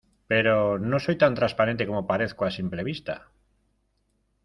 pero no soy tan transparente como parezco a simple vista.